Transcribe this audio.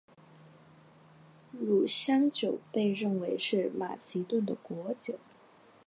乳香酒被认为是马其顿的国酒。